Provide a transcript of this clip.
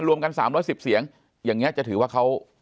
รวมกันสามร้อยสิบเสียงอย่างเงี้ยจะถือว่าเขา